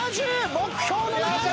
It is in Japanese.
目標の７０！